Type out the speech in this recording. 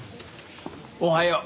おはよう。